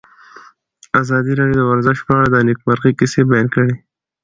ازادي راډیو د ورزش په اړه د نېکمرغۍ کیسې بیان کړې.